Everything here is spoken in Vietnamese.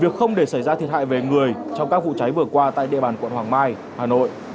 việc không để xảy ra thiệt hại về người trong các vụ cháy vừa qua tại địa bàn quận hoàng mai hà nội